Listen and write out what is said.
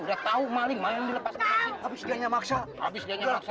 udah tahu maling habis dinyamaksa habis